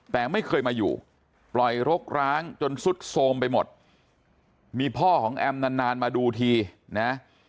แต่ไม่เคยมาอยู่ปล่อยรกร้างจนสุดโทรมไปหมดมีพ่อของแอมนานมาดูทีนะ